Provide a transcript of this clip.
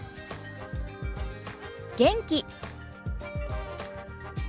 元気。